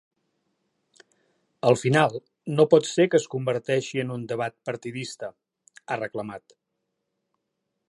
“Al final, no pot ser que es converteixi en un debat partidista”, ha reclamat.